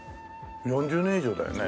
４０年以上だよね。